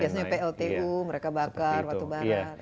biasanya pltu mereka bakar batu barat